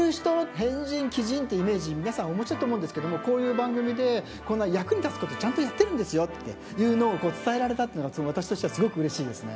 変人奇人ってイメージ皆さんお持ちだと思うんですけどもこういう番組でこんな役に立つことちゃんとやってるんですよっていうのを伝えられたっていうのが私としてはすごくうれしいですね。